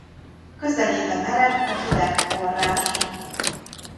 Közelében ered a Hideg-forrás.